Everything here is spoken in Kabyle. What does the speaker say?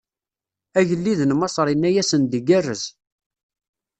Agellid n Maṣer inna-asen-d igerrez.